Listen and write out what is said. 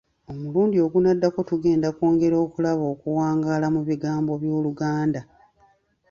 Omulundi ogunaddako tugenda kwongera okulaba okuwangaala mu bigambo by'Oluganda.